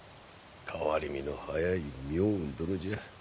変わり身の早い明雲殿じゃ。